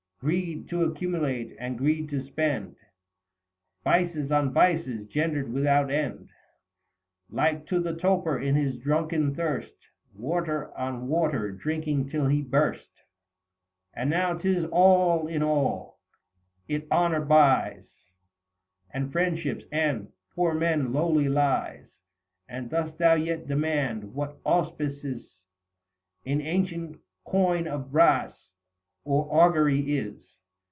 225 230 Greed to accumulate, and greed to spend, Vices on vices gendered without end ; Like to the toper in his drunken thirst, Water on water drinking till he burst. And now 'tis all in all ; it honour buys And friendships, and, the poor man lowly lies : And dost thou yet demand, what auspices In ancient coin of brass, or augury is